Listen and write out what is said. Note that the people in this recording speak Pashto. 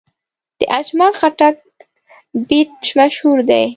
د اجمل خټک بیت مشهور دی.